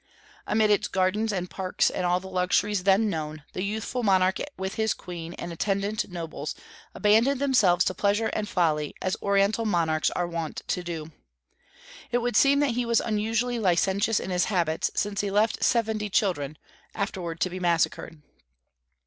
Amid its gardens and parks and all the luxuries then known, the youthful monarch with his queen and attendant nobles abandoned themselves to pleasure and folly, as Oriental monarchs are wont to do. It would seem that he was unusually licentious in his habits, since he left seventy children, afterward to be massacred.